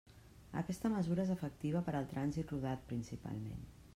Aquesta mesura és efectiva per al trànsit rodat principalment.